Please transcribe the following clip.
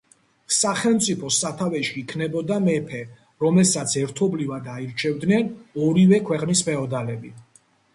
სახელმწიფოს სათავეში იქნებოდა მეფე, რომელსაც ერთობლივად აირჩევდნენ ორივე ქვეყნის ფეოდალები.